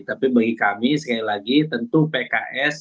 tapi bagi kami sekali lagi tentu pks